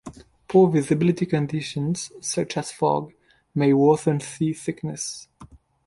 Poor visibility conditions, such as fog, may worsen sea sickness.